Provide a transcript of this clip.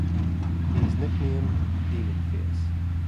He is nicknamed "Demon Face".